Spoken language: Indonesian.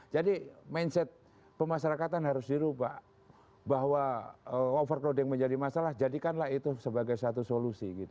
jadi mindset pemasarakatan harus dirubah bahwa overcrowding menjadi masalah jadikanlah itu sebagai satu solusi